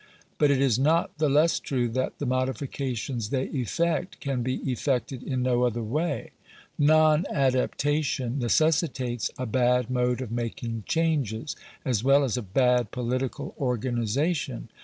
244). But it is not the less true that the modifications they effect can be effected in no other way. Non adaptation necessitates a bad mode of making changes, as well as a bad political organization.